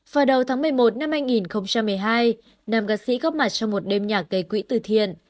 vào đầu tháng một mươi một năm hai nghìn một mươi hai nam ca sĩ góp mặt trong một đêm nhạc gây quỹ từ thiện